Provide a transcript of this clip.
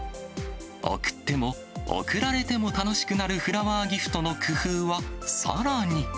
贈っても、贈られても楽しくなるフラワーギフトの工夫はさらに。